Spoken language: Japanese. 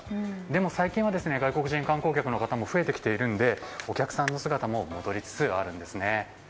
でも、最近は外国人観光客の方も増えてきているのでお客さんの姿も戻りつつあるんです。